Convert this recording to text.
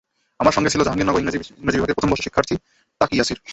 আমার সঙ্গে ছিল জাহাঙ্গীরনগরের ইংরেজি বিভাগের প্রথম বর্ষের ছাত্র তাকি ইয়াসির।